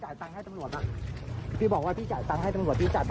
กลอกตอนตีน